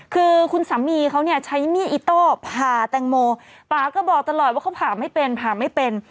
คือคุณสามีเขาเนี่ยใช้มีดอิโต้ผ่าแตงโมป่าก็บอกตลอดว่าเขาผ่าไม่เป็นผ่าไม่เป็น